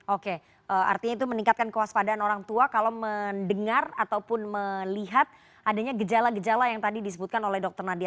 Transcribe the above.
oke artinya itu meningkatkan kewaspadaan orang tua kalau mendengar ataupun melihat adanya gejala gejala yang tadi disebutkan oleh dr nadia